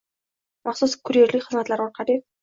Maxsus kurerlik xizmatlari orqali